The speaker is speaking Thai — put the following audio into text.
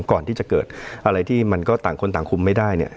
ก่อนที่จะเกิดอะไรที่มันก็ต่างคนต่างคุมไม่ได้เนี่ย